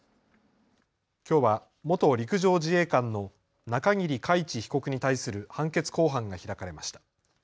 きょうは元陸上自衛官の中桐海知被告に対する判決公判が開かれました。